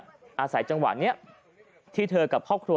อาศัยจังหวะนี้ที่เธอกับครอบครัว